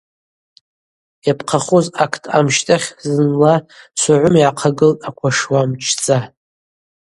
Йапхъахуз акт амщтахь зынла Согъвым йгӏахъагылтӏ аквашуа мчдза.